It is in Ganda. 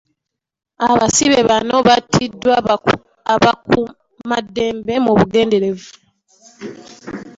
Abasibe bano batiddwa abakuumaddembe mu bugenderevu.